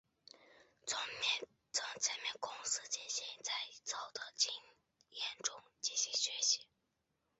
从前面公司进行再造的经验中进行学习。